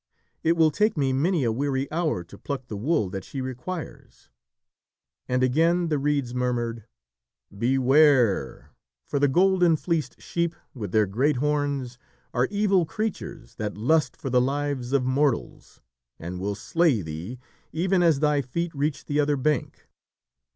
It will take me many a weary hour to pluck the wool that she requires." And again the reeds murmured, "Beware! for the golden fleeced sheep, with their great horns, are evil creatures that lust for the lives of mortals, and will slay thee even as thy feet reach the other bank.